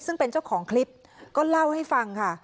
ซึ่งเป็นเจ้าของคลิปก็เล่าให้ฟังค่ะ